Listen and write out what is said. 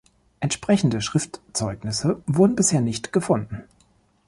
Entsprechende Schriftzeugnisse wurden bisher nicht gefunden.